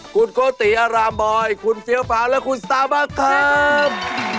คุณโกติอารามบอยคุณเฟี้ยวฟ้าและคุณสตาร์บ้าครับ